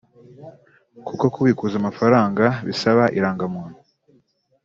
kuko kubikuza amafaranga bisaba irangamuntu